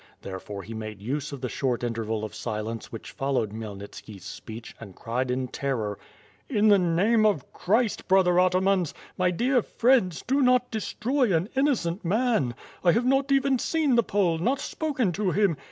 Therefore he mad6 use of the short interval of silence which followed Khmyelnitski's speech and cried in terror: "In the name of Christ, brother atamans, my dear friends, do not destroy an innocent man; I hdve not even seen the Pole; not si)oken to him.